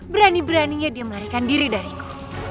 berani beraninya dia melarikan diri dariku